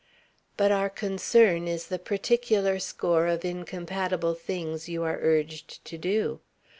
"But our concern is the particular score of incompatible things you are urged to do.